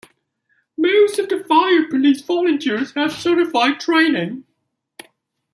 Most of the fire police volunteers have certified training.